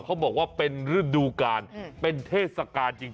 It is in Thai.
เขาบอกว่าเป็นฤดูกาลเป็นเทศกาลจริง